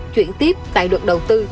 chuyển tiếp tại luật đầu tư